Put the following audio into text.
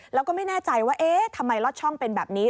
แล้วก็ไม่แน่ใจว่าเอ๊ะทำไมลอดช่องเป็นแบบนี้